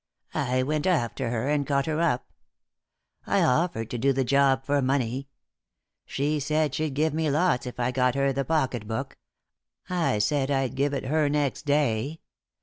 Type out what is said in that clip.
I went after her, and caught her up. I offered to do the job for money. She said she'd give me lots if I got her the pocket book. I said I'd give it her next day.